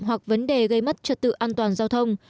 hoặc vấn đề gây mất trật tự an toàn giao thông